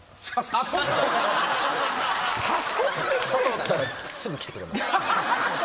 誘ったらすぐ来てくれました。